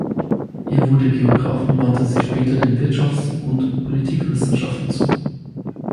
Er wurde Geograph und wandte sich später den Wirtschafts- und Politikwissenschaften zu.